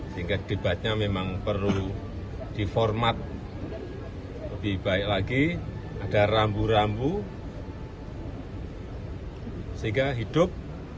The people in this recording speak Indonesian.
sehingga debatnya memang perlu diformat lebih baik lagi ada rambu rambu sehingga hidup